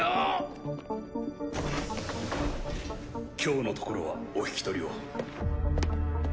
シューン今日のところはお引き取りを。